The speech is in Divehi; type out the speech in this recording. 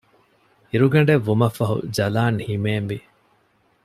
އިރުގަޑެއް ވުމަށްފަހު ޖަލާން ހިމޭން ވި